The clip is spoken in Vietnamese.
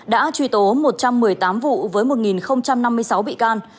đã truy tố một trăm một mươi tám vụ với một năm mươi sáu bị can